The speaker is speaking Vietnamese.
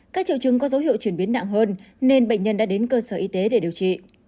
các triệu chứng có dấu hiệu chuyển biến nặng hơn nên bệnh nhân đã đến cơ sở y tế để điều trị